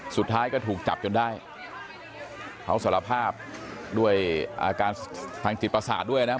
สุดท้ายก็ถูกจับจนได้เขาสารภาพด้วยอาการทางจิตประสาทด้วยนะครับ